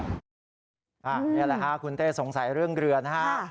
นี่แหละค่ะคุณเต้สงสัยเรื่องเรือนะฮะ